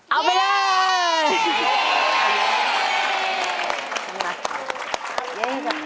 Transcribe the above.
เอาไปเลย